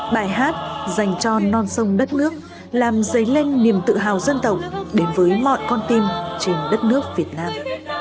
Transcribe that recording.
bài hát dành cho non sông đất nước làm dấy lên niềm tự hào dân tộc đến với mọi con tim trên đất nước việt nam